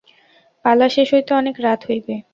পালা শেষ হইতে অনেক রাত হইবে।